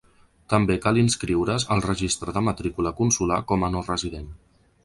També cal inscriure’s al registre de matrícula consular com a no resident.